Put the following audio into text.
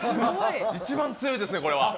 一番強いですね、これは。